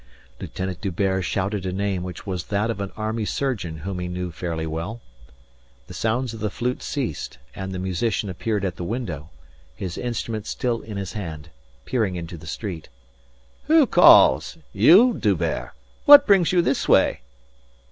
Lieutenant D'Hubert shouted a name which was that of an army surgeon whom he knew fairly well. The sounds of the flute ceased and the musician appeared at the window, his instrument still in his hand, peering into the street. "Who calls? You, D'Hubert! What brings you this way?"